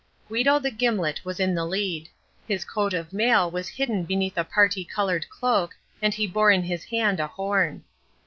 Guido the Gimlet was in the lead. His coat of mail was hidden beneath a parti coloured cloak and he bore in his hand a horn.